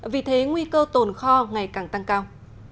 vì thế nguy cơ tồn kho ngày càng tăng cao